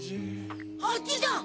あっちだ！